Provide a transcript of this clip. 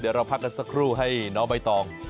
เดี๋ยวเราพักกันสักครู่ให้น้องใบตอง